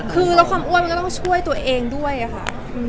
คือลดความอ้วนมันก็ต้องช่วยตัวเองด้วยค่ะ